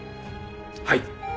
はい。